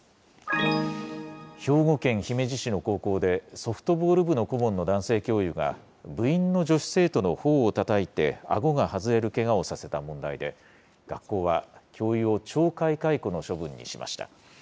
兵庫県姫路市の高校で、ソフトボール部の顧問の男性教諭が、部員の女子生徒のほおをたたいて、あごが外れるけがをさせた問題で、学校は、教諭を懲戒解雇の処分にしました。